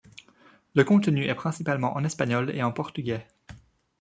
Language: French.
Le contenu est principalement en espagnol et en portugais.